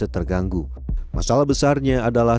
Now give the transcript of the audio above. ketika mereka masuk ke pantai sembilan